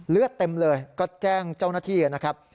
เลือดเต็มเลยก็แจ้งเจ้าหน้าที่นะครับ